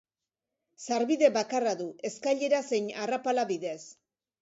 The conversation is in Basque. Sarbide bakarra du, eskailera zein arrapala bidez.